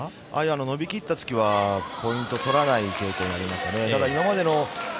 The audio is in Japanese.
伸びきった突きはポイント取らない傾向にありますね。